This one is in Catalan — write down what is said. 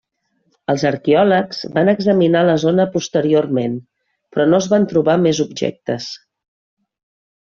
Els arqueòlegs van examinar la zona posteriorment, però no es van trobar més objectes.